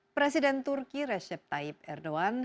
presiden turki recep tayyip erdogan